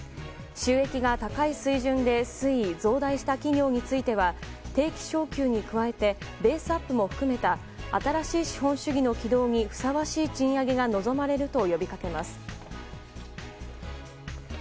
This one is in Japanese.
収益が高い水準で推移・増大した企業については定期昇給に加えてベースアップも含めた新しい資本主義の起動にふさわしい賃上げが望まれると呼びかけます。